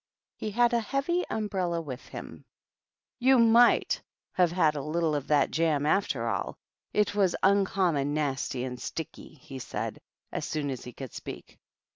He had a heav umbrella with him. THE TWEEDLES. 275 " You might have had a little of that jam, after all ; it was uncommon nasty and sticky !" he said, as soon as he could speak.